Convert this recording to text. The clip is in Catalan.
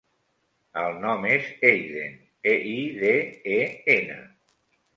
El nom és Eiden: e, i, de, e, ena.